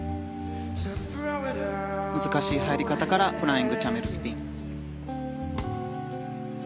難しい入り方からフライングキャメルスピン。